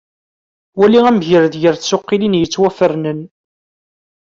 Wali amgired gar tsuqilin yettwafernen.